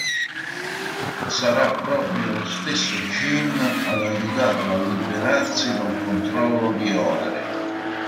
Sarà proprio lo stesso Jin ad aiutarla a liberarsi dal controllo di Ogre.